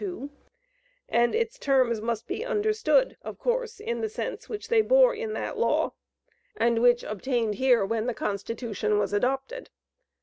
2, and its terms must be understood, of course, in the sense which they bore in that law, and which obtained here when the Constitution was adopted.